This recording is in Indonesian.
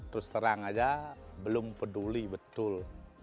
terus terang aja belum peduli betul